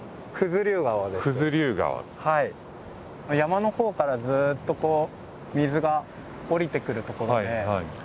山のほうからずっとこう水が下りてくる所で。